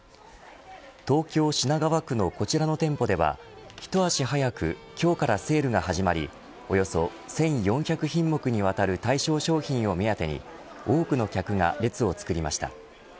東京、品川区のこちらの店舗では一足早く今日からセールが始まりおよそ１４００品目にわたる対象商品を目当てに多くの客が列をつくりました。